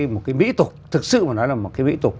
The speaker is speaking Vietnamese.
một cái mỹ tục thực sự mà nói là một cái mỹ tục